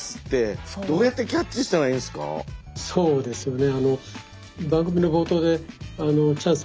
そうですよね